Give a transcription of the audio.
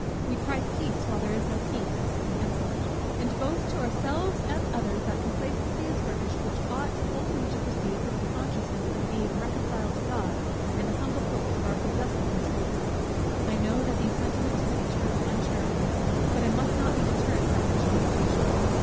"We cry peace while there is no peace;" and both to ourselves and others that complacency is furnished, which ought only to proceed from a consciousness of being reconciled to God, and a humble hope of our possessing his favour. I know that these sentiments will be termed uncharitable; but I must not be deterred by such an imputation.